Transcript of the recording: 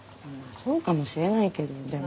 そうかもしれないけどでも。